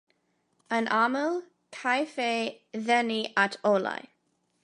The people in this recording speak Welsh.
Yn aml, caiff ei ddenu at olau.